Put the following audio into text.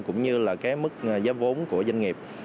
cũng như mức giá vốn của doanh nghiệp